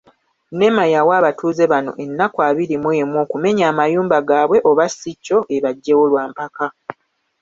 NEMA yawa abatuuze bano ennaku abiri mu emu okumenya amayumba gaabwe oba ssi ekyo, ebaggyewo lwampaka.